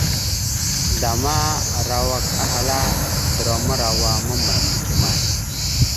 Zlama arawak ahala: draw marawa mamma neke may ?